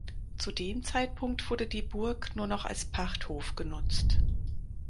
Zu dem Zeitpunkt wurde die Burg nur noch als Pachthof genutzt.